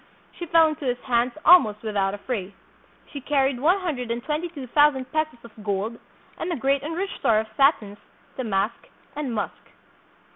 She fell into his hands almost without a fray. She carried one hun dred and twenty two thousand pesos of gold and a great and rich store of satins, damask, and musk.